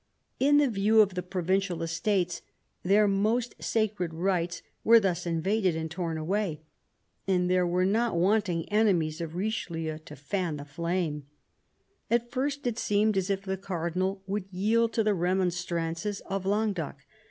In the view of the provincial Estates, their " most sacred rights" were thus invaded and torn away. And there were not wanting enemies of Richelieu to fan the flame. At first it seemed as if the Cardinal would yield to the remonstrances of Languedoc.